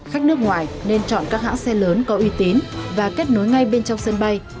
khách nước ngoài nên chọn các hãng xe lớn có uy tín và kết nối ngay bên trong sân bay